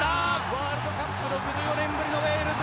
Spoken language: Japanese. ワールドカップ６４年ぶりのウェールズ。